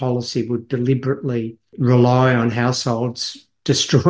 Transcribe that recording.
akan bergantung pada keluarga yang mencari keuntungan